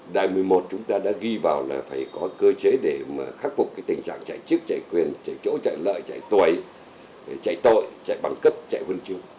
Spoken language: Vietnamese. đài một mươi một chúng ta đã ghi vào là phải có cơ chế để khắc phục tình trạng chạy chức chạy quyền chạy chỗ chạy lợi chạy tội chạy bằng cấp chạy huân chương